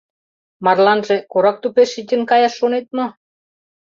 Марланже корак тупеш шинчын каяш шонет мо?